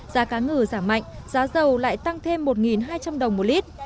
giá cá ngừ giảm mạnh giá dầu lại tăng thêm một hai trăm linh đồng một lít